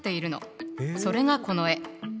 それがこの絵。